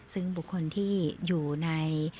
ซึ่งบุคคลที่อยู่ใน